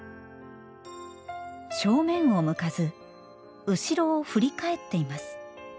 正面を向かず後ろを振り返っています。